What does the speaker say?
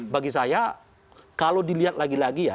bagi saya kalau dilihat lagi lagi ya